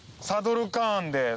サドルカーンで。